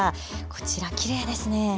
こちら、きれいですね。